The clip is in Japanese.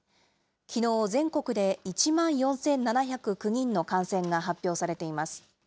きのう全国で１万４７０９人の感染が発表されています。